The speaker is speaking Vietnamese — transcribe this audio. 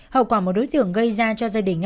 hậu quả một đối tượng gây ra cho gia đình